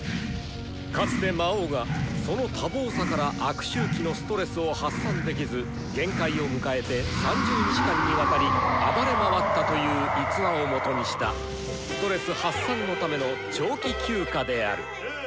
かつて魔王がその多忙さから悪周期のストレスを発散できず限界を迎えて３０日間にわたり暴れ回ったという逸話をもとにしたストレス発散のための長期休暇である。